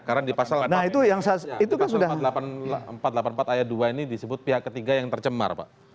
karena di pasal empat ratus delapan puluh empat ayat dua ini disebut pihak ketiga yang tercemar pak